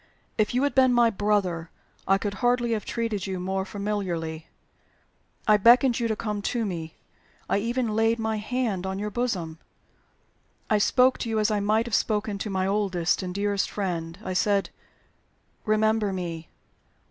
"If you had been my brother, I could hardly have treated you more familiarly. I beckoned to you to come to me. I even laid my hand on your bosom. I spoke to you as I might have spoken to my oldest and dearest friend. I said, 'Remember me.